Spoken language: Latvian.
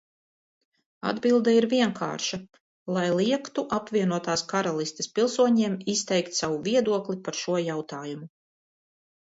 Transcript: Atbilde ir vienkārša: lai liegtu Apvienotās Karalistes pilsoņiem izteikt savu viedokli par šo jautājumu.